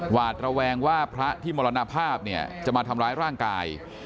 หวาดระแวงว่าพระที่มรณภาพเนี่ยจะมาทำร้ายร่างกาย